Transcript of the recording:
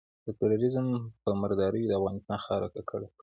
د ترورېزم په مرداریو د افغانستان خاوره ککړه کړي.